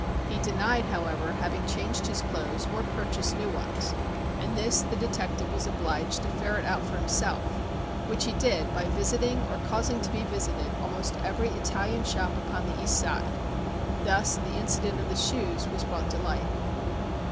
He denied, however, having changed his clothes or purchased new ones, and this the detective was obliged to ferret out for himself, which he did by visiting or causing to be visited almost every Italian shop upon the East Side. Thus the incident of the shoes was brought to light.